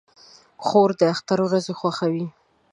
خور د اختر ورځې خوښوي.